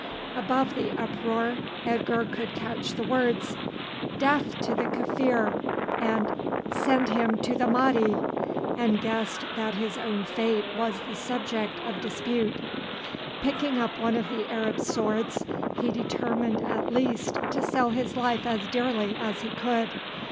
Above the uproar Edgar could catch the words, "Death to the Kaffir!" and "Send him to the Mahdi!" and guessed that his own fate was the subject of dispute. Picking up one of the Arab swords he determined at least to sell his life as dearly as he could.